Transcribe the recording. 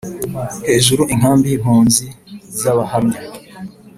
Hejuru Inkambi y impunzi z Abahamya